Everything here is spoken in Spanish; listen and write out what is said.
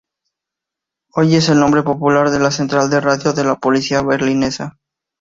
Hoy es el nombre popular de la central de radio de la policía berlinesa.